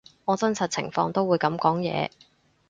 我真實情況都會噉講嘢